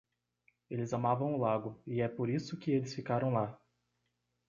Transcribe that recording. Eles amavam o lago, e é por isso que eles ficaram lá.